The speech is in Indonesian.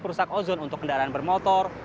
rusak ozon untuk kendaraan bermotor